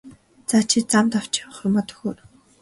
За чи замд авч явах юмаа төхөөр!